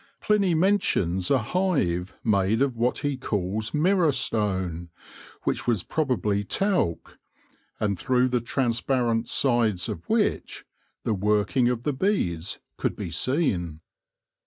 Pliny mentions a hive made of what he calls mirror stone, which was probably talc, and through the transparent sides of which the working of the bees could be seen.